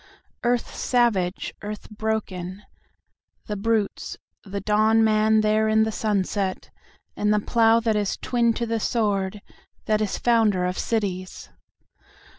Earth savage, earth broken, the brutes, the dawn man there in the sunset, And the Plough that is twin to the Sword, that is founder of cities!